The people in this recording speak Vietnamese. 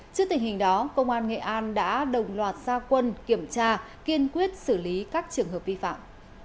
trước tình hình đó công an nghệ an đã đồng loạt gia quân kiểm tra kiên quyết xử lý các trường hợp vi phạm